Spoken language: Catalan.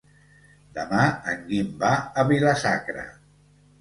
Demà en Guim va a Vila-sacra.